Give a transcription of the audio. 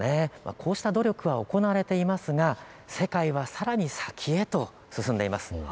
こうした努力は行われていますが世界はさらに先へと進んでいます。